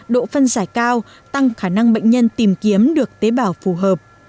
độ phân giải cao tăng khả năng bệnh nhân tìm kiếm được tế bào phù hợp